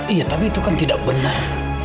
iya tapi itu kan tidak benar